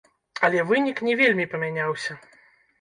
Але вынік не вельмі памяняўся.